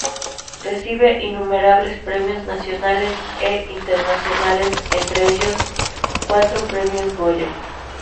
Recibe innumerables premios nacionales e internacionales entre ellos cuatro premios Goya.